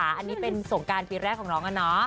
อันนี้เป็นสงการปีแรกของน้องอะเนาะ